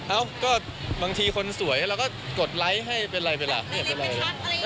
เอ้าก็บางทีคนสวยเราก็กดไลค์ให้เป็นไรไปล่ะไม่เป็นไร